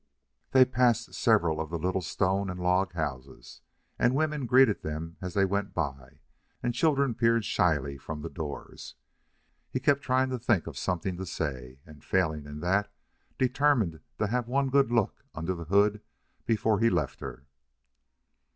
They passed several of the little stone and log houses, and women greeted them as they went by and children peered shyly from the doors. He kept trying to think of something to say, and, failing in that, determined to have one good look under the hood before he left her.